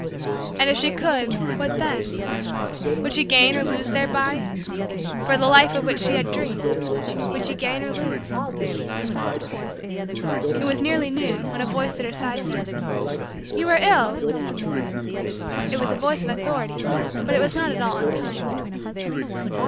And if she could what then would she gain or lose thereby? For the life of which she had dreamed, would she gain or lose? It was nearly noon when a voice at her side said: "You are ill!" It was a voice of authority but it was not at all unkind.